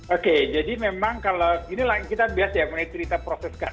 oke jadi memang kalau ini kita biasa ya menerita proses kan